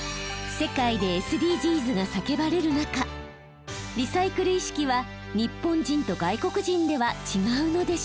世界でＳＤＧｓが叫ばれる中リサイクル意識は日本人と外国人では違うのでしょうか？